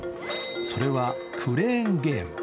それはクレーンゲーム。